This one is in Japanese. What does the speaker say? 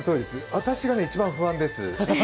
私が一番不安です。